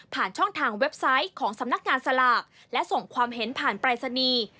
ช่องทางเว็บไซต์ของสำนักงานสลากและส่งความเห็นผ่านปรายศนีย์